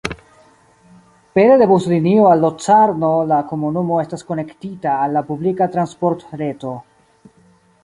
Pere de buslinio al Locarno la komunumo estas konektita al la publika transportreto.